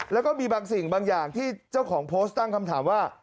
แล้วก็มีบางสิ่งบางอย่างที่เจ้าของโพสต์ตั้งคำถามว่า